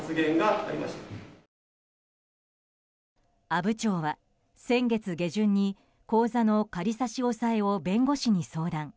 阿武町は先月下旬に口座の仮差し押さえを弁護士に相談。